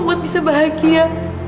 buat bisa bahagia